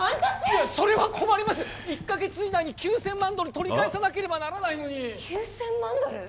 いえそれは困ります１か月以内に９千万ドル取り返さなければならないのに９千万ドル！？